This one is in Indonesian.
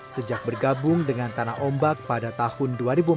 sejak bergabung dengan tanah ombak pada tahun dua ribu empat belas